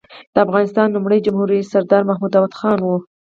د افغانستان لومړی جمهور رییس سردار محمد داود خان و.